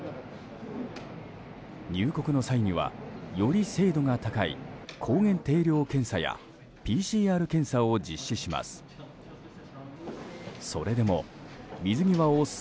入国の際にはより精度が高い抗原定量検査やＰＣＲ検査を実施します。